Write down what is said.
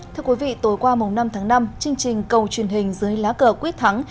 thưa quý vị tối qua năm tháng năm chương trình cầu truyền hình dưới lá cờ quyết thắng